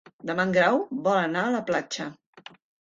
Demà en Grau vol anar a la platja.